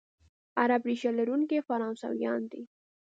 عرب ریشه لرونکي فرانسویان دي،